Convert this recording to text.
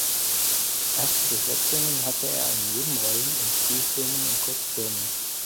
Erste Besetzungen hatte er in Nebenrollen in Spielfilmen und Kurzfilmen.